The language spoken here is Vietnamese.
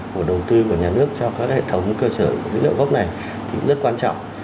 của đầu tư của nhà nước cho các hệ thống cơ sở dữ liệu gốc này thì cũng rất quan trọng